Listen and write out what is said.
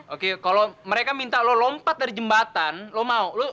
oke kalau mereka minta lo lompat dari jembatan lo mau lo